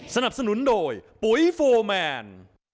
สนับสนุนโดยปุ๋ยโฟร์แมน